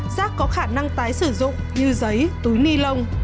rác có khả năng tái sử dụng như giấy túi ni lông